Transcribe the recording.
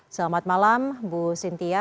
selamat malam bu sintia